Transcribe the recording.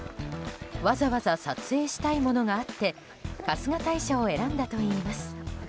わざわざ撮影したいものがあって春日大社を選んだといいます。